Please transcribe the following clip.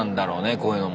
こういうのも。